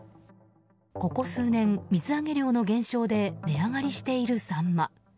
ここ数年、水揚げ量の減少で値上がりしているサンマ。